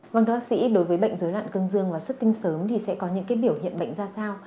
vâng thưa bác sĩ đối với bệnh dối loạn cương dương và xuất tinh sớm thì sẽ có những biểu hiện bệnh ra sao